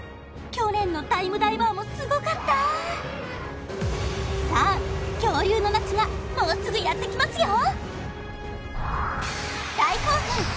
去年のタイムダイバーもすごかったさあ恐竜の夏がもうすぐやってきますよ